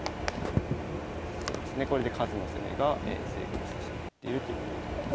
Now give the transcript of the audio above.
そうですねこれで数の攻めが成功してしまっているということになります。